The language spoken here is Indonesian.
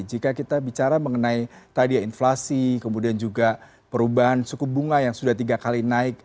jika kita bicara mengenai tadi ya inflasi kemudian juga perubahan suku bunga yang sudah tiga kali naik